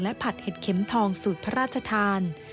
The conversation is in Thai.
ผัดเห็ดเข็มทองสูตรพระราชทาน